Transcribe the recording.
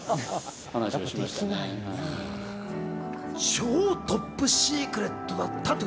超トップシークレットだったという。